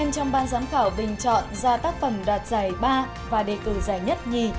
trong ban giám khảo bình chọn ra tác phẩm đoạt giải ba và đề cử giải nhất nhì